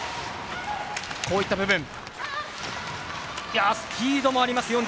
こういった部分、スピードもあります